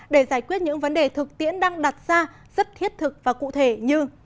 để giải quyết những vấn đề thực tiễn đang đặt ra rất thiết thực và cụ thể như